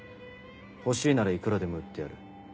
欲しいならいくらでも売ってやる。